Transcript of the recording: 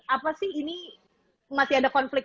apa sih ini masih ada konflik